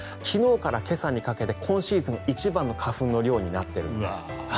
昨日から今朝にかけて今シーズン一番の花粉の量になっているんです。